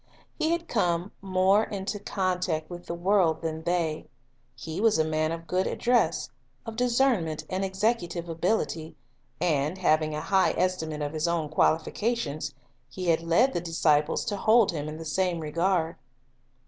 He had come more into contact with the world than they, he was a man of good address, of discernment and executive ability, and, having a high estimate of his own qualifications, he had led the disciples to hold him in the same regard.